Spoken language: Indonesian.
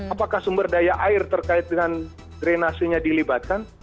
apakah sumber daya air terkait dengan drenasenya dilibatkan